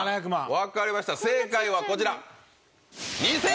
分かりました正解はこちら。